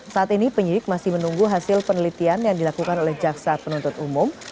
saat ini penyidik masih menunggu hasil penelitian yang dilakukan oleh jaksa penuntut umum